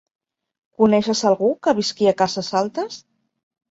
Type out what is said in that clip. Coneixes algú que visqui a Cases Altes?